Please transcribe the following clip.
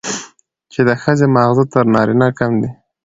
چې د ښځې ماغزه تر نارينه کم دي،